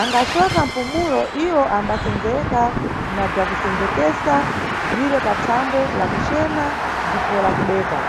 Angacoka mpumulo, iwo ambasendzeka na bzakusendzekesa bzire pathambwe la kucena ndipo la kudeka.